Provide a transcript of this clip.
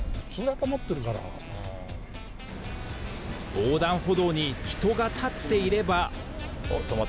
横断歩道に人が立っていれば。